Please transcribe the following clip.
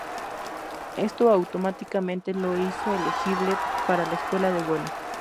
Esto automáticamente lo hizo elegible para la escuela de vuelo.